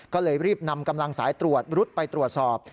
ก็เลยรีบนำกำลังสายตรวจรุดไปตรวจสอบ